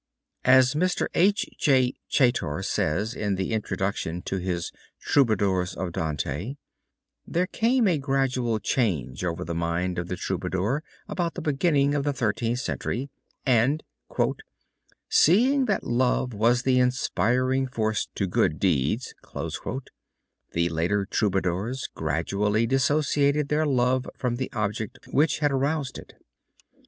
As Mr. H. J. Chaytor says in the introduction to his Troubadours of Dante, there came a gradual change over the mind of the Troubadour about the beginning of the Thirteenth Century and "seeing that love was the inspiring force to good deeds," the later Troubadours gradually dissociated their love from the object which had aroused it.